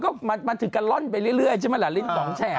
ก็มันถึงกระล่อนไปเรื่อยใช่ไหมล่ะลิ้นสองแฉก